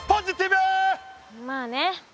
まあね。